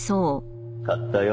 買ったよ。